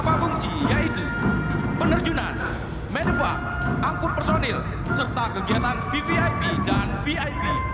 pembangunan yaitu penerjunan menepak angkut personil serta kegiatan vvip dan vip